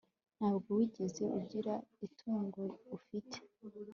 Ntabwo wigeze ugira itungo ufite